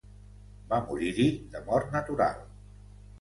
Va morir-hi de mort natural.